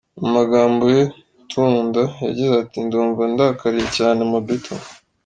Mu magambo ye Tunda yagize ati:”Ndumva ndakariye cyane Mobetto.